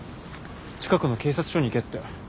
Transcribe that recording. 近くの警察署に行けって。